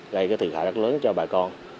gây thiệt hại rất lớn cho bà con